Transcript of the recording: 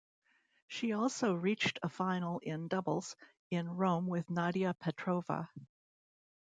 She also reached a final in doubles, in Rome with Nadia Petrova.